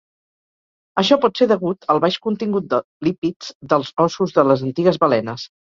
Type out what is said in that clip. Això pot ser degut al baix contingut de lípids dels ossos de les antigues balenes.